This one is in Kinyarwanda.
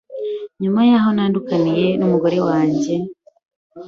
nyuma y’aho ntandukaniye n’umugore wanjye.